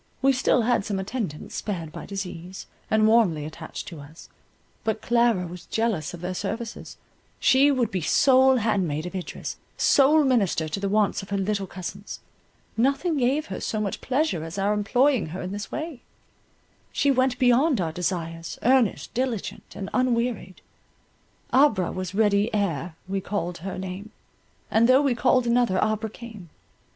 We still had some attendants spared by disease, and warmly attached to us. But Clara was jealous of their services; she would be sole handmaid of Idris, sole minister to the wants of her little cousins; nothing gave her so much pleasure as our employing her in this way; she went beyond our desires, earnest, diligent, and unwearied,— Abra was ready ere we called her name, And though we called another, Abra came.